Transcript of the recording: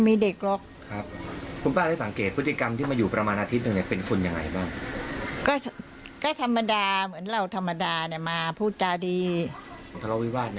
มีทะเลาวิบาทในห้องเหรอครับ